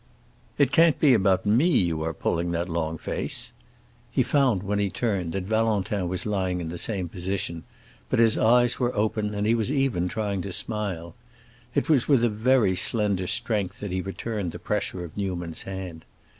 "It can't be about me you are pulling that long face!" He found, when he turned, that Valentin was lying in the same position; but his eyes were open, and he was even trying to smile. It was with a very slender strength that he returned the pressure of Newman's hand.